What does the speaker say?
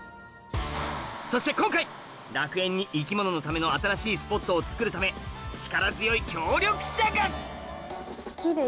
そして今回楽園に生き物のための新しいスポットを作るため力強い協力者が！